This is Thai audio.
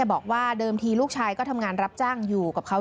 บอกว่าเดิมทีลูกชายก็ทำงานรับจ้างอยู่กับเขา